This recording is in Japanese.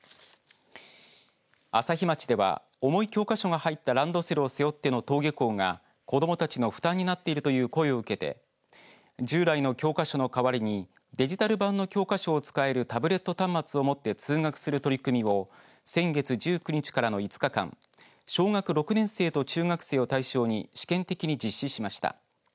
朝日町では重い教科書が入ったランドセルを背負っての登下校が子どもたちの負担になっているという声を受けて従来の教科書の代わりにデジタル版の教科書を使えるタブレット端末を持って通学する取り組みを先月１９日からの５日間小学６年生と中学生を対象に試験的に実施しました。